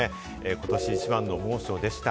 ことし一番の猛暑でした。